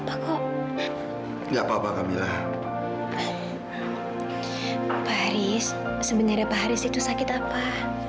pak haris sebenarnya pak haris itu sakit apa